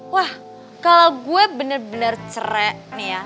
wah kalo gua bener bener cerai nih ya